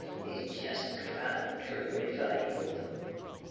. He's jes' grand f'r a r'vival."